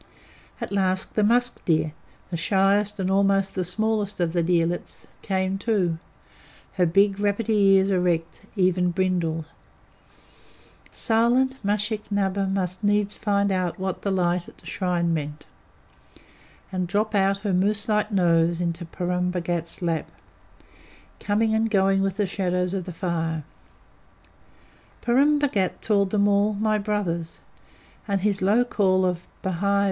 At last, the musk deer, the shyest and almost the smallest of the deerlets, came, too, her big rabbity ears erect; even brindled, silent mushick nabha must needs find out what the light in the shrine meant, and drop out her moose like nose into Purun Bhagat's lap, coming and going with the shadows of the fire. Purun Bhagat called them all "my brothers," and his low call of "Bhai!